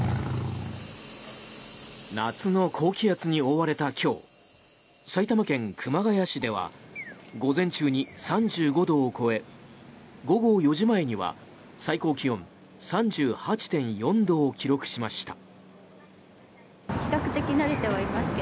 夏の高気圧に覆われた今日埼玉県熊谷市では午前中に３５度を超え午後４時前には最高気温３８．４度を記録しました。